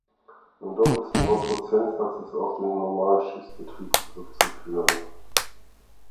Ein doppelt so hoher Prozentsatz ist auf den normalen Schiffsbetrieb zurückzuführen.